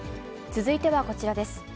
続いてはこちらです。